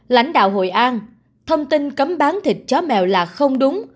lãnh đạo hội an thông tin cấm bán thịt chó mèo là không đúng